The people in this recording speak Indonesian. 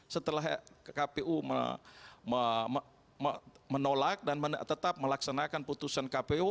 setelah kpu menolak dan tetap melaksanakan putusan kpu